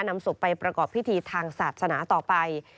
นำศพไปประกอบพิธีทางศาสนาต่อไป